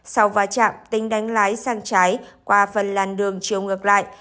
sau vài trạm tính đánh lái sang trái qua phần làn đường chiều ngược lại